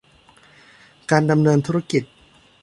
การดำเนินธุรกิจ